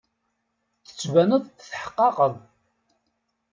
Tettbaneḍ tetḥeqqeqeḍ.